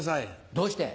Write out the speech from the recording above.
どうして？